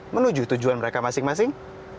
menuju tujuan mereka masing masing